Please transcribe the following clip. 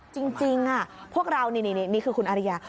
จริงพวกเรานี่คือคุณอาริยา